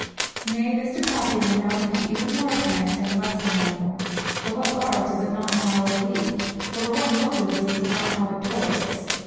Nay, this depravity will now become even more apparent and less deniable. For what bars does it not now overleap? Over what motives is it not now victorious?